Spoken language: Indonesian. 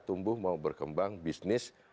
tumbuh mau berkembang bisnis